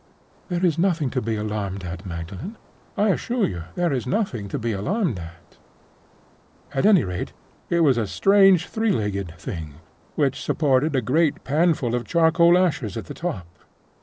(There is nothing to be alarmed at, Magdalen; I assure you there is nothing to be alarmed at!) At any rate, it was a strange, three legged thing, which supported a great panful of charcoal ashes at the top.